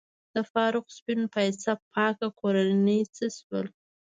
د فاروق سپین پایڅه پاکه کورنۍ څه شول؟